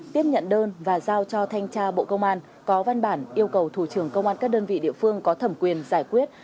tiếp nhận đơn và giao cho thanh tra bộ công an có văn bản yêu cầu thủ trưởng công an các đơn vị địa phương có thẩm quyền giải quyết